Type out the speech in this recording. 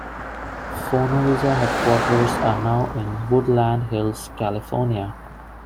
Fonovisa headquarters are now in Woodland Hills, California.